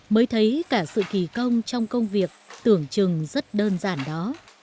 mới thấy cả sự kỳ công trong công việc tưởng chừng rất đơn giản đó